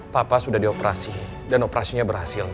papa sudah dioperasi dan operasinya berhasil